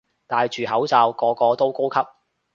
戴住口罩個個都高級